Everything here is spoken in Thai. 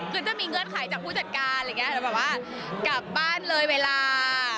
จะมีเงินขายจะผู้จัดการกลับบ้านเลยเวลา